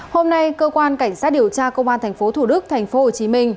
hôm nay cơ quan cảnh sát điều tra công an tp thủ đức tp hồ chí minh